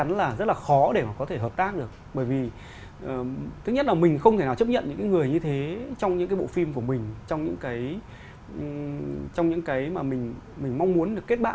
nó còn bị khó khăn